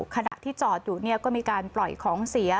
ขณะที่จอดอยู่ก็มีการปล่อยของเสีย